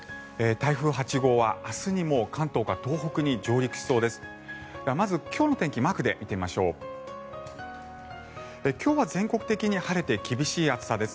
台風８号は明日にも関東から東北に上陸しそうです。